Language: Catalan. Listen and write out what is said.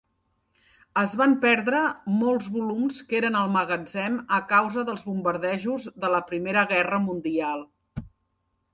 Es van perdre molt volums que eren al magatzem a causa dels bombardejos de la Primera Guerra Mundial.